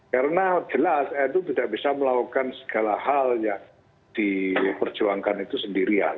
karena jelas nu tidak bisa melakukan segala hal yang diperjuangkan itu sendirian